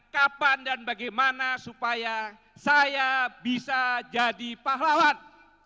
kapan dan bagaimana supaya saya bisa jadi pahlawan